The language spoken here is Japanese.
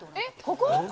ここ？